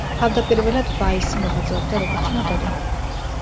თავდაპირველად ვაისი მოღვაწეობდა როგორც მოდელი.